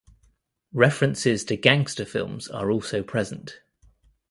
References to gangster films are also present.